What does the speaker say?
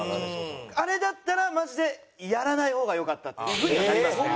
あれだったらマジでやらない方がよかったっていう風にはなりますね。